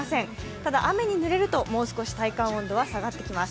ただ雨にぬれるともう少し、体感温度は下がってきます。